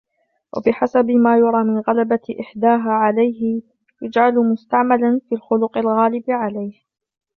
وَبِحَسَبِ مَا يُرَى مِنْ غَلَبَةِ إحْدَاهَا عَلَيْهِ يُجْعَلُ مُسْتَعْمَلًا فِي الْخُلُقِ الْغَالِبِ عَلَيْهِ